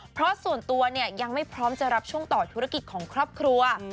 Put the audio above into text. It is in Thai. เพราะส่วนตัวเนี่ยยังไม่พร้อมจะรับช่วงต่อธุรกิจของครอบครัว